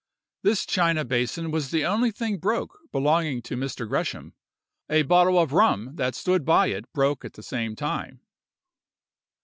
This china basin was the only thing broke belonging to Mr. Gresham; a bottle of rum that stood by it broke at the same time.